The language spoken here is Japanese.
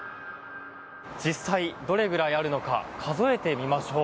実際どれくらいあるのか数えてみましょう。